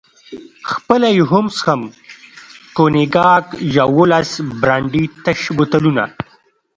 خپله یې هم څښم، کونیګاک، یوولس د برانډي تش بوتلونه.